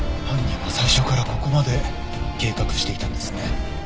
犯人は最初からここまで計画していたんですね。